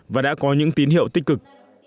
và đã có những tín hiệu tích cực